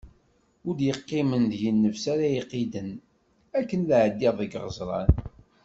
Ur d-yeqqim deg-i nnefs ara iqiden akken ad ɛeddiɣ deg iɣeẓṛan.